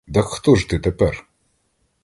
Дак хто ж ти тепер?